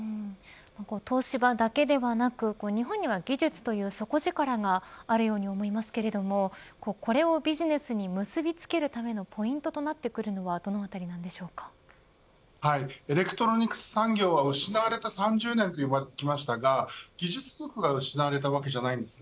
東芝だけではなく日本には技術という底力があるように思いますけれどもこれをビジネスに結びつけるためのポイントはとなってくるのはエレクトロニクス産業は失われた３０年と言われてきましたが技術力が失われたわけではないです。